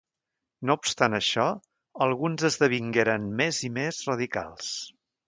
No obstant això, alguns esdevingueren més i més radicals.